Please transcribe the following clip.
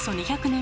２００年